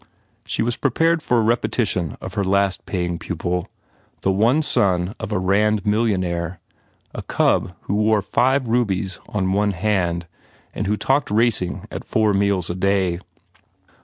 She was prepared for a repetition of her last paying pupil, the one son of a Rand millionaire, a cub who wore five rubies on one hand and who talked racing at four meals a day.